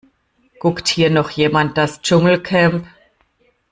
Guckt hier noch jemand das Dschungelcamp?